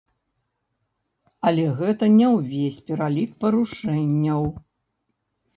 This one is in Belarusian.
Але гэта не ўвесь пералік парушэнняў.